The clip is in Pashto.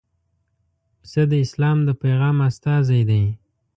پسه د اسلام د پیغام استازی دی.